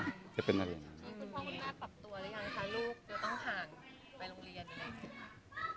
คุณพ่อคุณน่าจะปรับตัวหรือยังคะลูกจะต้องผ่านไปโรงเรียนอย่างไร